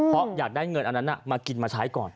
เพราะอยากได้เงินอันนั้นมากินมาใช้ก่อน